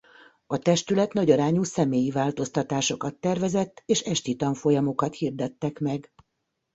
A testület nagyarányú személyi változtatásokat tervezett és esti tanfolyamokat hirdettek meg.